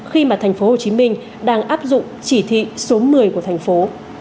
khi mà tp hcm đang áp dụng chỉ thị số một mươi của thành phố